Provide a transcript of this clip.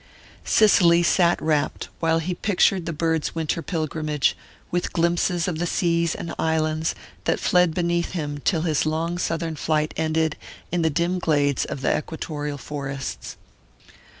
Cicely sat rapt while he pictured the bird's winter pilgrimage, with glimpses of the seas and islands that fled beneath him till his long southern flight ended in the dim glades of the equatorial forests.